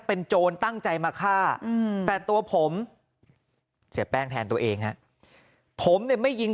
เป็นโจรตั้งใจมาฆ่าแต่ตัวผมเสียแป้งแทนตัวเองฮะผมเนี่ยไม่ยิง